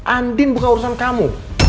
andin bukan urusan kamu